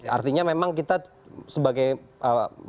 artinya memang kita sebagai